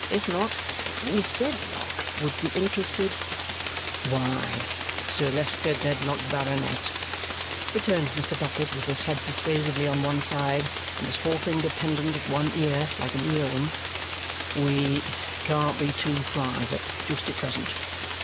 If not, Miss Dedlock would be interested " "Why, Sir Leicester Dedlock, Baronet," returns Mr. Bucket with his head persuasively on one side and his forefinger pendant at one ear like an earring, "we can't be too private just at present.